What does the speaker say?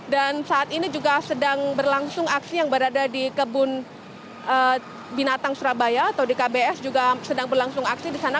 dan saat ini juga sedang berlangsung aksi yang berada di kebun binatang surabaya atau di kbs juga sedang berlangsung aksi disana